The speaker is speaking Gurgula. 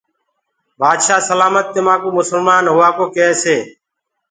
بآدشآه سلآمت تمآنٚڪو مُسلمآن هووآ ڪو ڪيسي اور